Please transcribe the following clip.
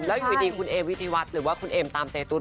แล้วอยู่ดีคุณเอวิธีวัฒน์หรือว่าคุณเอมตามใจตุ๊